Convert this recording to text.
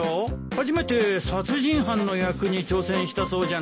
初めて殺人犯の役に挑戦したそうじゃないか。